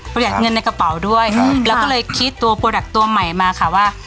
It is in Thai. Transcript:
หยัดเงินในกระเป๋าด้วยแล้วก็เลยคิดตัวโปรดักต์ตัวใหม่มาค่ะว่า